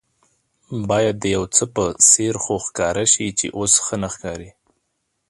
باید د یوڅه په څېر خو ښکاره شي چې اوس ښه نه ښکاري.